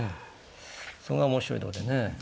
そこが面白いとこでね。